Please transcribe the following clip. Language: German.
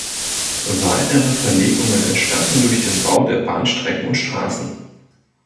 Weitere Verlegungen entstanden durch den Bau der Bahnstrecken und Straßen.